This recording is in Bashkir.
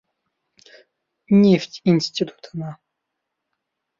Нефть институтына.